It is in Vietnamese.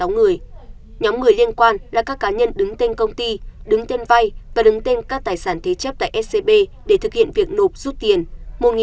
nhóm người liên quan là các cá nhân đứng tên công ty đứng tên vay và đứng tên các tài sản thế chấp tại scb để thực hiện việc nộp rút tiền một một trăm năm mươi ba người